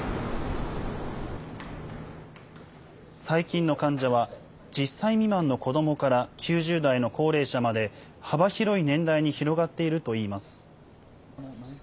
最近の患者は、１０歳未満の子どもから９０代の高齢者まで、幅広い年代に広がっているといいます。